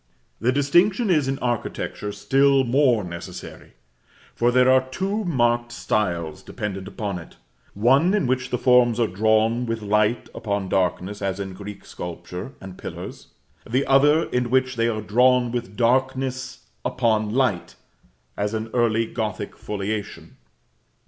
This distinction is, in architecture, still more necessary; for there are two marked styles dependent upon it: one in which the forms are drawn with light upon darkness, as in Greek sculpture and pillars; the other in which they are drawn with darkness upon light, as in early Gothic foliation.